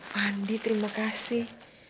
pandi terima kasih